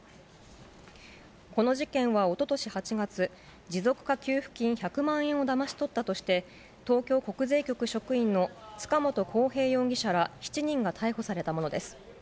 この事件はおととし８月、持続化給付金１００万円をだまし取ったとして、東京国税局職員の塚本晃平容疑者ら７人が逮捕されたものです。